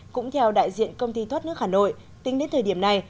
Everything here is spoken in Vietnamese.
cũng theo đại diện công ty thoát nước hà nội tính đến thời điểm này